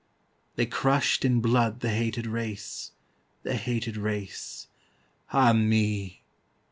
They crushed in blood the hated race, The hated race. Ah me!